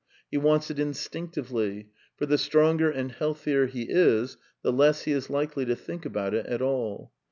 He wants it in stinctively; for the stronger and healthier he is the less he is likely to think about it at all.